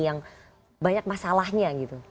yang banyak masalahnya gitu